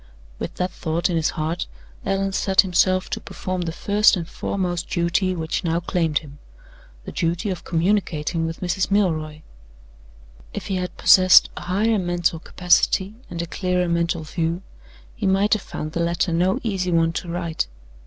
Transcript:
With that thought in his heart, Allan set himself to perform the first and foremost duty which now claimed him the duty of communicating with Mrs. Milroy. If he had possessed a higher mental capacity and a clearer mental view, he might have found the letter no easy one to write.